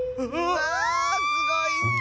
⁉わあすごいッス！